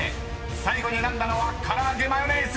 ［最後に選んだのは唐揚げマヨネーズ。